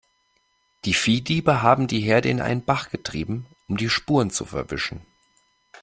Die Viehdiebe haben die Herde in einen Bach getrieben, um die Spuren zu verwischen.